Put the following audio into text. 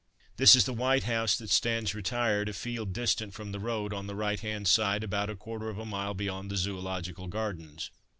This is the white house that stands retired a field distant from the road, on the right hand side, about a quarter of a mile beyond the Zoological Gardens.